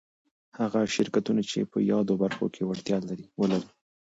هغه شرکتونه چي په يادو برخو کي وړتيا ولري